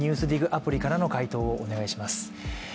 アプリからの回答をお願いします。